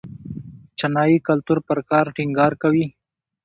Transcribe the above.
چینايي کلتور پر کار ټینګار کوي.